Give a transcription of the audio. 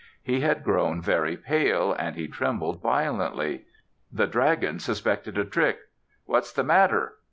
He had grown very pale and he trembled violently. The dragon suspected a trick. "What's the matter?"